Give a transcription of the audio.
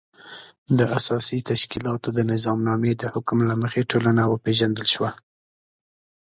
د اساسي تشکیلاتو د نظامنامې د حکم له مخې ټولنه وپېژندل شوه.